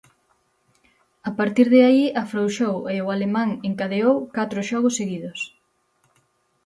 A partir de aí afrouxou e o alemán encadeou catro xogos seguidos.